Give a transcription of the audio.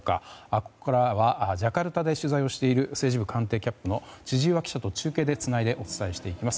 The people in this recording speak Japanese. ここからはジャカルタで取材をしている政治部官邸キャップの千々岩記者と中継をつないでお伝えしていきます。